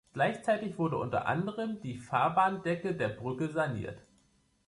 Gleichzeitig wurde unter anderem die Fahrbahndecke der Brücke saniert.